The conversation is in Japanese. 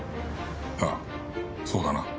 ああそうだな。